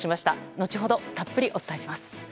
後ほど、たっぷりお伝えします。